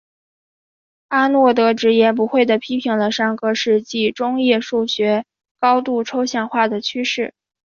阿诺德直言不讳地批评了上个世纪中叶数学高度抽象化的趋势。